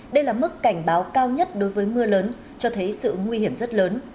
đây là mức cảnh báo cao nhất đối với mưa lớn cho thấy sự nguy hiểm rất lớn